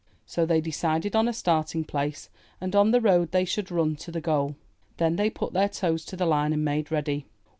So they decided on a starting place and on the road they should run to the goal. Then they put their toes to the line and made ready.